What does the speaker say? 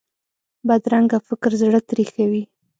بدرنګه فکر زړه تریخوي